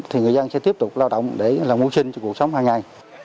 thì người dân sẽ tiếp tục lao động để làm mô sinh cho cuộc sống hàng ngày